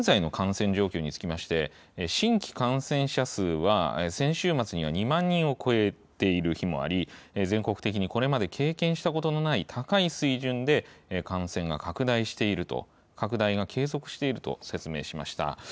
冒頭、西村大臣は全国の現在の感染状況につきまして、新規感染者数は先週末には２万人を超えている日もあり、全国的に、これまで経験したことのない高い水準で、感染が拡大していると、拡大が継続していると説明しました。